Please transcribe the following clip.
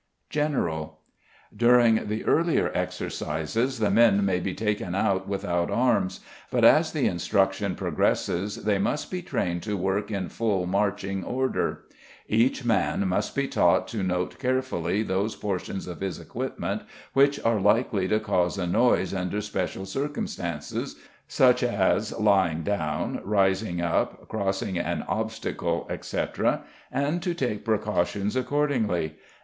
General. During the earlier exercises the men may be taken out without arms, but, as the instruction progresses, they must be trained to work in full marching order. Each man must be taught to note carefully those portions of his equipment which are likely to cause a noise under special circumstances, such as lying down, rising up, crossing an obstacle, etc., and to take precautions accordingly.